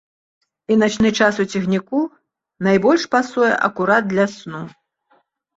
І начны час у цягніку найбольш пасуе акурат для сну.